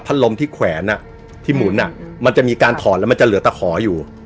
ลมที่แขวนที่หมุนมันจะมีการถอดแล้วมันจะเหลือตะขออยู่